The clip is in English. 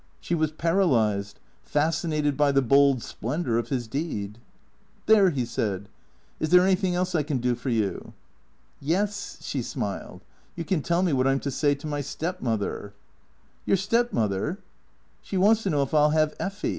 She was paralyzed, fascinated by the bold splendour of his deed. " There/' he said. " Is there anything else I can do for you." " Yes." She smiled. " You can tell me what I 'm to say to my stepmother." "Your stepmother?" " She wants to know if I '11 have Effy."